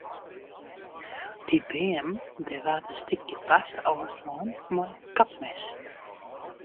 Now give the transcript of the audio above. Dy beammen dêr waard in stikje bast ôfslein mei in kapmes.